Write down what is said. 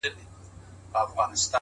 هوډ د ستونزو په منځ کې ځواک مومي؛